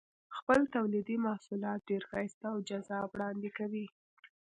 خپل تولیدي محصولات ډېر ښایسته او جذاب وړاندې کوي.